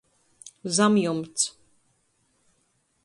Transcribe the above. Zamjumts.